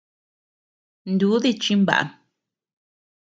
Ndudi chimbaʼam.